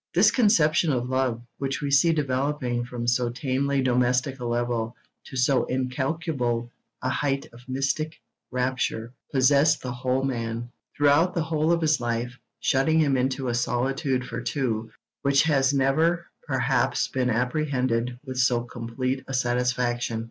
This conception of love, which we see developing from so tamely domestic a level to so incalculable a height of mystic rapture, possessed the whole man, throughout the whole of his life, shutting him into a 'solitude for two' which has never perhaps been apprehended with so complete a satisfaction.